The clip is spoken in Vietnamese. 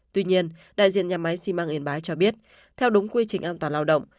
tuy nhiên đại diện nhà máy xi măng yên bái cho biết theo đúng quy trình an toàn lao động